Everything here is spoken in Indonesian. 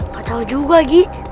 gak tau juga gi